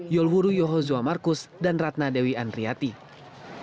yolwuru yohozwa markus dan ratna dewi andriyatik